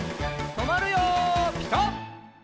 とまるよピタ！